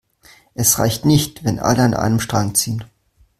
Es reicht nicht, wenn alle an einem Strang ziehen.